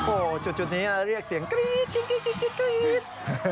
โอ้โหจุดนี้เรียกเสียงกรี๊ด